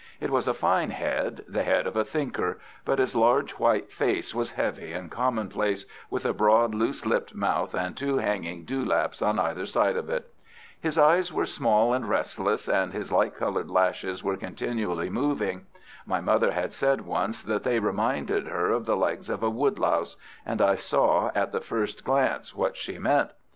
It was a fine head, the head of a thinker, but his large white face was heavy and commonplace, with a broad, loose lipped mouth and two hanging dewlaps on either side of it. His eyes were small and restless, and his light coloured lashes were continually moving. My mother had said once that they reminded her of the legs of a woodlouse, and I saw at the first glance what she meant.